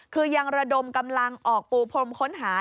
คือยังระดมกำลังออกปูพรมค้นหา